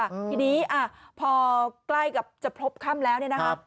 ทีนี้พอกล่ายกับจะพบคับแล้วนี่นะครับ